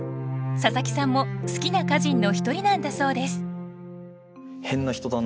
佐佐木さんも好きな歌人の一人なんだそうです